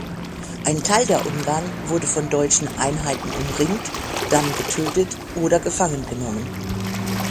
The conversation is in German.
Ein Teil der Ungarn wurde von Deutschen Einheiten umringt, dann getötet oder gefangen genommen.